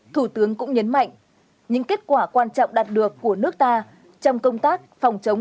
thủ tướng cũng nhấn mạnh những kết quả quan trọng đạt được của nước ta trong công tác phòng chống